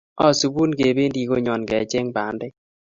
Asubun kebendi konyon kecheng bandek